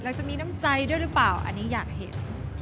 จะมีน้ำใจด้วยหรือเปล่าอันนี้อยากเห็น